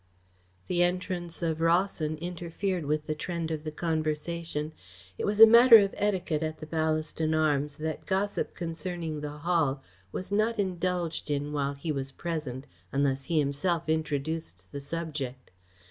The entrance of Rawson interfered with the trend of the conversation. It was a matter of etiquette at the Ballaston Arms that gossip concerning the Hall was not indulged in while he was present unless he himself introduced the subject.